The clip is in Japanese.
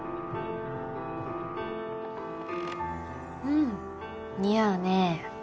うん似合うね。